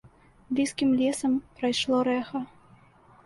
Блізкім лесам прайшло рэха.